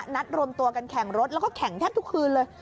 นัดรวมตัวกันแข่งรถแล้วก็แข่งแทบทุกคืนเลย